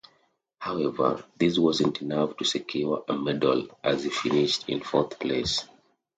However, this wasn't enough to secure a medal as he finished in fourth place.